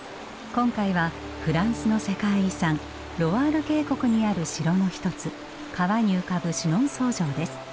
今回はフランスの世界遺産ロワール渓谷にある城の一つ川に浮かぶシュノンソー城です。